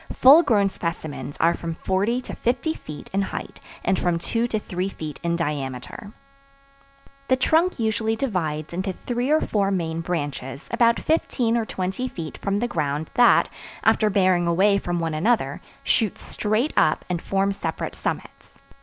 Full grown specimens are from forty to fifty feet in height and from two to three feet in diameter. The trunk usually divides into three or four main branches about fifteen or twenty feet from the ground that, after bearing away from one another, shoot straight up and form separate summits.